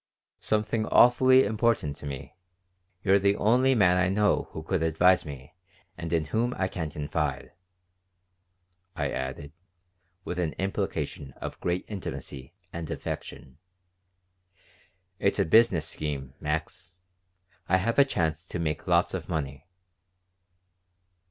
"Something awfully important to me. You're the only man I know who could advise me and in whom I can confide," I added, with an implication of great intimacy and affection. "It's a business scheme, Max. I have a chance to make lots of money."